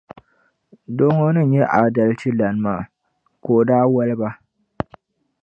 Doo ŋɔ ni nyɛ aadalichi lana maa, ka o daa wɔli ba.